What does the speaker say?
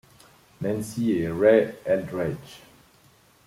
Nancy et Ray Eldredge.